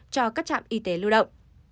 cho các trạm y tế lưu động